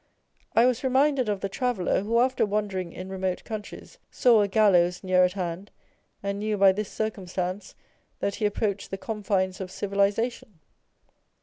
I was reminded of the traveller who after wandering in remote countries saw a gallows near at hand, and knew by this circumstance that he approached the confines of civiliza tion.